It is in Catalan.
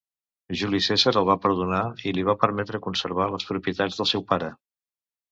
Juli Cèsar el va perdonar i li va permetre conservar les propietats del seu pare.